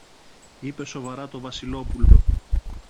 είπε σοβαρά το Βασιλόπουλο.